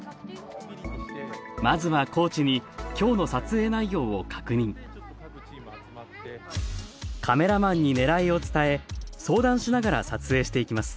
まずはコーチに今日の撮影内容を確認カメラマンにねらいを伝え相談しながら撮影していきます